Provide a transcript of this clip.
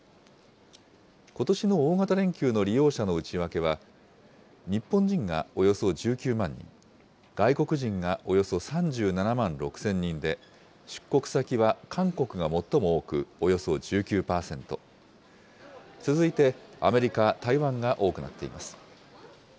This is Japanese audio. ことしの大型連休の利用者の内訳は、日本人がおよそ１９万人、外国人がおよそ３７万６０００人で、出国先は韓国が最も多くおよそ１９％、続いてアメリカ、台湾が多くなっています。